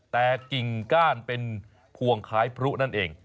แต่กิ่งก้านเป็นพวงคล้ายพลุนั่นเอง